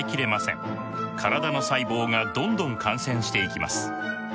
体の細胞がどんどん感染していきます。